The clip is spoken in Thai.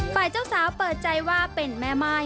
ฝ่ายเจ้าสาวเปิดใจว่าเป็นแม่ม่าย